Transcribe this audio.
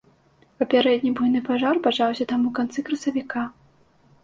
Папярэдні буйны пажар пачаўся там у канцы красавіка.